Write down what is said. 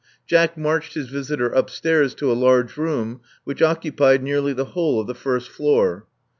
Jack marched his visitor upstairs to a large room, which occupied nearly the whole of the first floor.